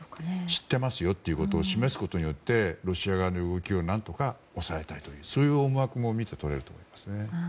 知っていますよと示すことによってロシア側の動きを何とか抑えたいというそういう思惑も見て取れると思います。